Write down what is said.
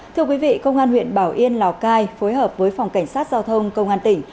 thưa quý vị công an huyện bảo yên lào cai phối hợp với phòng cảnh sát giao thông công an tỉnh